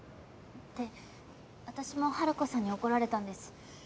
って私もハルコさんに怒られたんです。